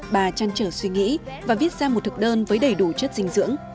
bà trăn trở suy nghĩ và viết ra một thực đơn với đầy đủ chất dinh dưỡng